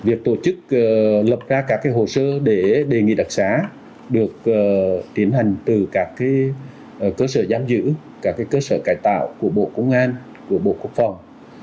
việc tổ chức lập ra các hồ sơ để đề nghị đặc xá được tiến hành từ các cơ sở giam giữ các cơ sở cải tạo của bộ công an của bộ quốc phòng